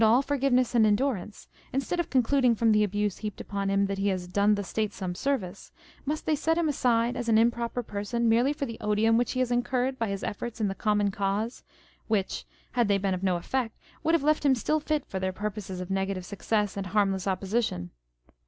531 forgiveness and endurance, instead of concluding from the abuse heaped upon him that he has £t done the State some service," must they set him aside as an improper person merely for the odium which he has incurred by his efforts in the common cause, which, had they been of no effect, would have left him still fit for their purposes of negative success and harmless opposition